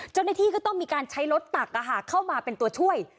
เจ้าหน้าที่ก็ต้องมีการใช้รถตักเข้ามาเป็นตัวช่วย